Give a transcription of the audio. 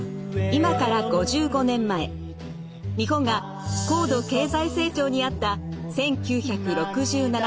今から５５年前日本が高度経済成長にあった１９６７年。